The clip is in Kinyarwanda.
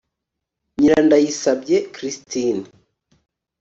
Nyirandayisabye Christine